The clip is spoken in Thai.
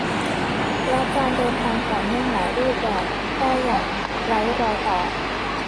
และการเดินทางต่อเนื่องหลายรูปแบบได้อย่างไร้รอยต่อ